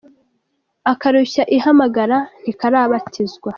Akarushya ihamagara ntikarabatizwa.